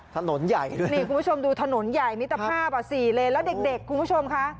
ถนนใหญ่ด้วยนี่คุณผู้ชมดูถนนใหญ่มิตรภาพอ่ะสี่เลนแล้วเด็กเด็กคุณผู้ชมค่ะ